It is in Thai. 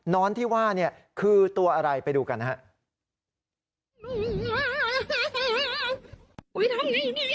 ้อนที่ว่าเนี่ยคือตัวอะไรไปดูกันนะครับ